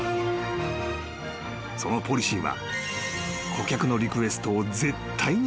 ［そのポリシーは］